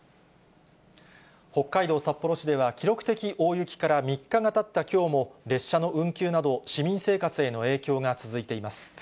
北海道札幌市では記録的大雪から３日がたったきょうも、列車の運休など、市民生活への影響が続いています。